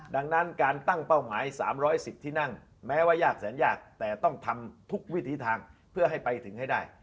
ดังนั้นการตั้งเป้าหมาย๓๑๐ที่นั่งแม้ว่ายากแสนยากแต่ต้องทำทุกวิถีทางเพื่อให้ไปถึงให้ได้